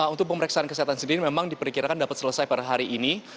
untuk pemeriksaan kesehatan sendiri memang diperkirakan dapat selesai pada hari ini